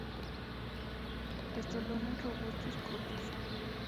Estolones robustos, cortos.